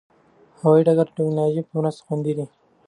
هوايي ډګرونه د ټکنالوژۍ په مرسته خوندي دي.